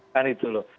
kan itu loh